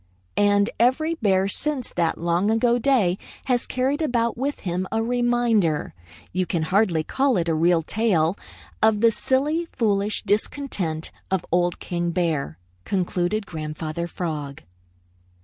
"] "And every bear since that long ago day has carried about with him a reminder you can hardly call it a real tail of the silly, foolish discontent of Old King Bear," concluded Grandfather Frog.